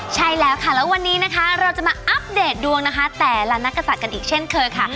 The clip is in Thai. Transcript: ใช่แล้วค่ะแล้ววันนี้นะคะเราจะมาอัปเดตดวงนะคะแต่ละนักกษัตริย์กันอีกเช่นเคยค่ะ